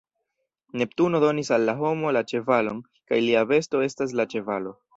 Neptuno donis al la homo la ĉevalon, kaj lia besto estas la ĉevalo.